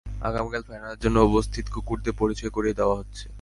আগামীকালের ফাইনালের জন্য উপস্থিত কুকুরদের পরিচয় করিয়ে দেওয়া হচ্ছে!